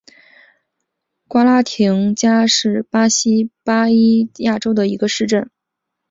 瓜拉廷加是巴西巴伊亚州的一个市镇。